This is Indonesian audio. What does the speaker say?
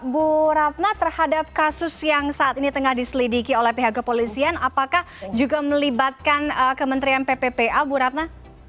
bu ratna terhadap kasus yang saat ini tengah diselidiki oleh pihak kepolisian apakah juga melibatkan kementerian pppa bu ratna